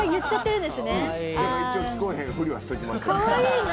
一応、聞こえへんふりはしときました。